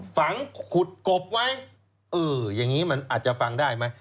ฝังขุดกบไว้เอออย่างนี้มันอาจจะฟังได้ไหม